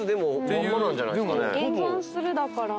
「現存する」だから。